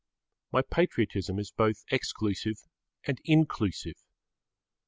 My patriotism is both exclusive and inclusive.